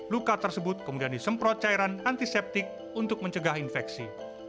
luka tersebut kemudian disemprot cairan antiseptik untuk mencegah infeksi